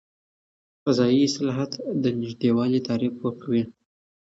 فضايي اصطلاحات د نږدې والي تعریف ورکوي.